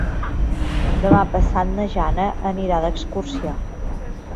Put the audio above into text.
Demà passat na Jana anirà d'excursió.